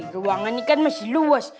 keuangan ini kan masih luas